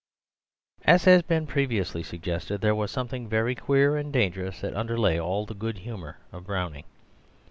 As has been previously suggested, there was something very queer and dangerous that underlay all the good humour of Browning.